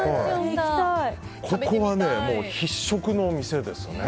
ここは必食のお店ですね。